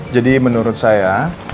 jadi menurut saya